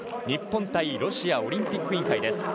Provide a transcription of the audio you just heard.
日本対ロシアオリンピック委員会。